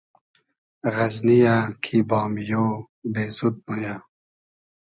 غئزنی یۂ کی بامیۉ , بېسود مۉ یۂ